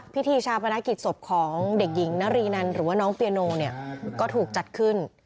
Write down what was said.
พิธีชาปนกิจศพของเด็กหญิงนารีนันหรือว่าน้องเปียโนเนี่ยก็ถูกจัดขึ้น